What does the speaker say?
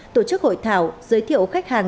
tổ chức hội thảo giới thiệu khách hàng